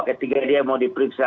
ketika dia mau diperiksa